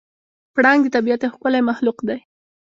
پړانګ د طبیعت یو ښکلی مخلوق دی.